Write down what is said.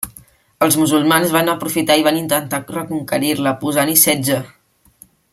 Els musulmans van aprofitar i van intentar reconquerir-la, posant-hi setge.